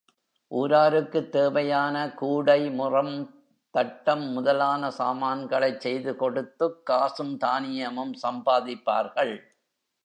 ஊராருக்குத் தேவையான கூடை, முறம், தட்டம் முதலான சாமான்களைச் செய்து கொடுத்துக் காசும் தானியமும் சம்பாதிப்பார்கள்.